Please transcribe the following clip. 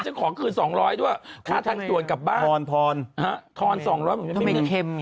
ฉันขอผลคืน๒๐๐บาทด้วยฆ่าทางด่วนกลับบ้านทอน๒๐๐บาททำไมเข็มอย่างเงี้ย